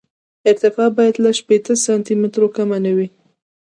ارتفاع باید له شپېته سانتي مترو کمه نه وي